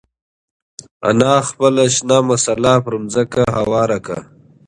انا خپل شین جاینماز پر ځمکه هوار کړ.